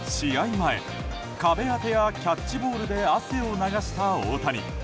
前壁当てやキャッチボールで汗を流した大谷。